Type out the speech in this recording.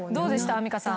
アンミカさん。